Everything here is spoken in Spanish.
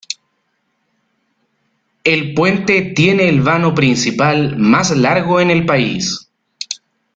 El puente tiene el vano principal más largo en el país.